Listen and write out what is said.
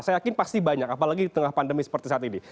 saya yakin pasti banyak apalagi di tengah pandemi seperti saat ini